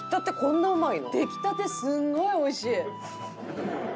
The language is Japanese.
出来たてすごいおいしい！